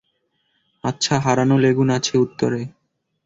আচ্ছা, হারানো লেগুন আছে উত্তরে।